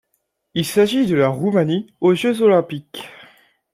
Il s'agit de la de la Roumanie aux Jeux olympiques.